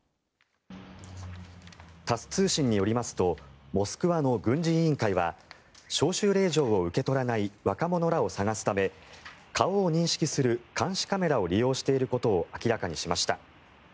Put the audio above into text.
タス通信によりますとモスクワの軍事委員会は招集令状を受け取らない若者らを捜すため顔を認識する監視カメラを利用していることを明らかにしました。